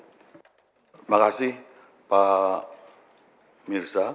terima kasih pak mirsa